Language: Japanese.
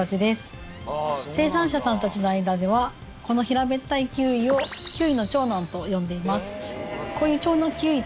生産者さんたちの間ではこの平べったいキウイを。と呼んでいます。